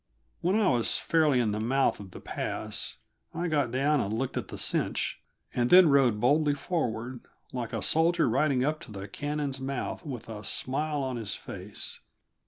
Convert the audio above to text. When I was fairly in the mouth of the pass, I got down and looked to the cinch, and then rode boldly forward, like a soldier riding up to the cannon's mouth with a smile on his face.